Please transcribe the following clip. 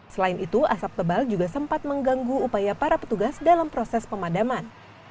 selain itu asap tebal juga sempat mengganggu upaya para petugas dalam proses pemadaman